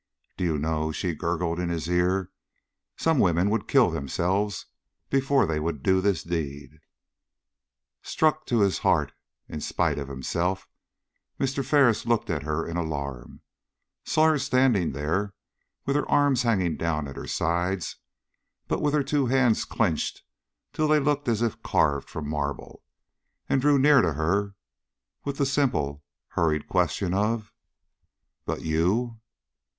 "Do you know," she gurgled in his ear, "some women would kill themselves before they would do this deed." Struck to his heart in spite of himself, Mr. Ferris looked at her in alarm saw her standing there with her arms hanging down at her sides, but with her two hands clinched till they looked as if carved from marble and drew near to her with the simple hurried question of: "But you?"